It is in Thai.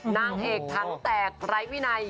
นางเอกถังแตกไหล่พี่นาย